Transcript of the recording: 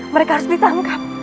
mereka harus ditangkap